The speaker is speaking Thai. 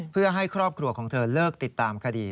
เพื่อให้ครอบครัวของเธอเลิกติดตามคดี